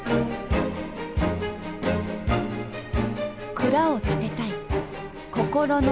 蔵を建てたい心の蔵を。